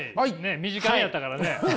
短めやったからね。